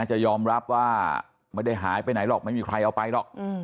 จะยอมรับว่าไม่ได้หายไปไหนหรอกไม่มีใครเอาไปหรอก